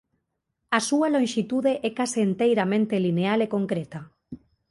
A súa lonxitude é case enteiramente lineal e concreta.